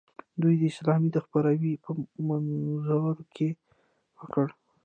دوی د اسلام د خپراوي په منظور کار وکړ.